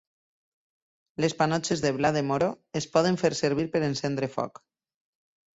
Les panotxes de blat de moro es poden fer servir per encendre foc.